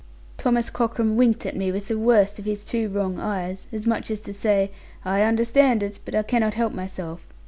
Thomas Cockram winked at me, with the worst of his two wrong eyes; as much as to say, 'I understand it; but I cannot help myself.